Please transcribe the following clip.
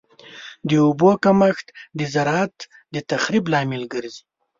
د اوبو کمښت د زراعت د تخریب لامل ګرځي.